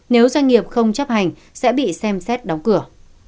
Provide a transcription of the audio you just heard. nếu doanh nghiệp không chấp hành sẽ bị xem xét đóng cửa